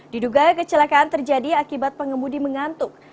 diduga kecelakaan terjadi akibat pengemudi mengantuk